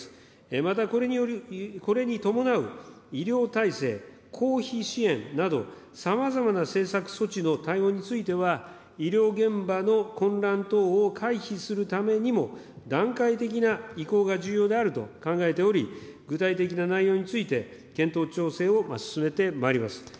またこれに伴う医療体制、公費支援など、さまざまな政策措置の対応については、医療現場の混乱等を回避するためにも、段階的な移行が重要であると考えており、具体的な内容について、検討、調整を進めてまいります。